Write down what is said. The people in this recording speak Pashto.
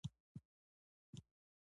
د باران اوبه ذخیره کیږي